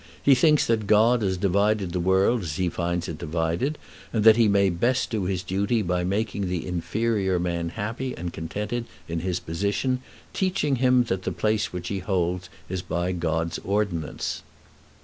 He thinks that God has divided the world as he finds it divided, and that he may best do his duty by making the inferior man happy and contented in his position, teaching him that the place which he holds is his by God's ordinance."